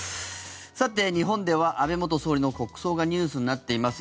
さて、日本では安倍元総理の国葬がニュースになっています。